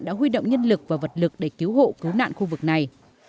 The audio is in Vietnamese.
đã huy động nhân lực và vật lực để cứu hộ cứu nạn khu vực này